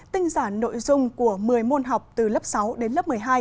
tinh giả nội dung của một mươi môn học từ lớp sáu đến lớp một mươi hai